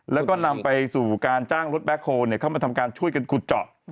แล้วก็นำไปสู่การจ้างรถแบ็คโฮลเข้ามาทำการช่วยกันขุดเจาะ